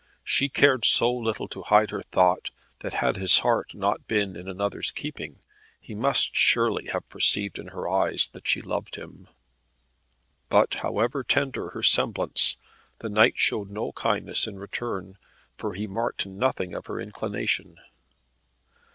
She cared so little to hide her thought, that had his heart not been in another's keeping, he must surely have perceived in her eyes that she loved him. But however tender her semblance the knight showed no kindness in return, for he marked nothing of her inclination.